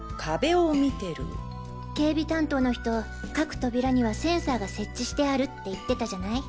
警備担当の人各扉にはセンサーが設置してあるって言ってたじゃない？